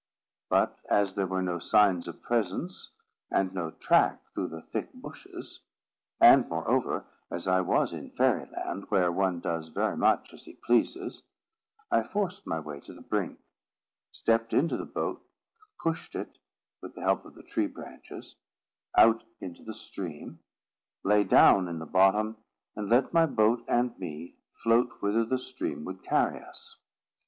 But as there were no signs of presence, and no track through the thick bushes; and, moreover, as I was in Fairy Land where one does very much as he pleases, I forced my way to the brink, stepped into the boat, pushed it, with the help of the tree branches, out into the stream, lay down in the bottom, and let my boat and me float whither the stream would carry us.